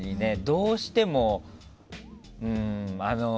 どうしてもうーん。